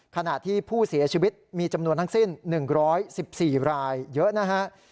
ขณะที่ผู้เสียชีวิตมีจำนวนทั้งสิ้น๑๑๔รายเยอะนะฮะ